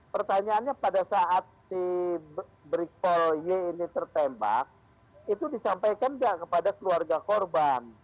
pertanyaannya pada saat si brikpol y ini tertembak itu disampaikan nggak kepada keluarga korban